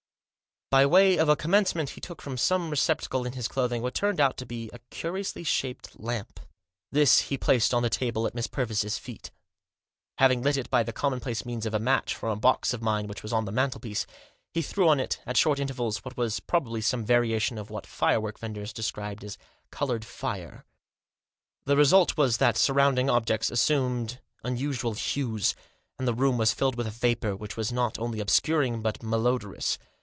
By way of a commencement he took from some receptacle in his clothing what turned out to be a curiously shaped lamp. This he placed on the table at Miss Purvis* feet Having lit it by the commonplace means of a match from a box of mine which was on the mantelpiece, he threw on it, at short intervals, what was probably some variation of what firework vendors describe as "coloured fire." The result was that surrounding objects assumed unusual hues, and the room was filled with a vapour, which was not only obscuring, but malodorous.